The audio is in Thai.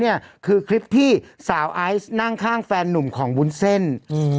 เนี่ยคือคลิปที่สาวไอซ์นั่งข้างแฟนนุ่มของวุ้นเส้นอืม